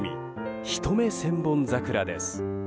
一目千本桜です。